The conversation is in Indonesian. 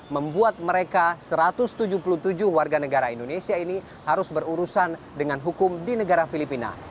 membuat mereka satu ratus tujuh puluh tujuh warga negara indonesia ini harus berurusan dengan hukum di negara filipina